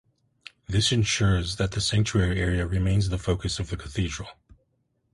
This ensures that the sanctuary area remains the focus of the cathedral.